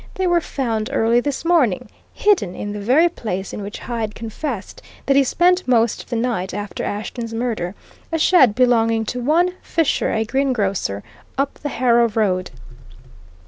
They were found early this morning, hidden, in the very place in which Hyde confessed that he spent most of the night after Ashton's murder a shed belonging to one Fisher, a greengrocer, up the Harrow Road.